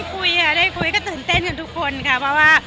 คุยค่ะได้คุยก็ตื่นเต้นกันทุกคนค่ะเพราะว่า